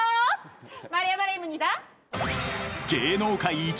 ［芸能界一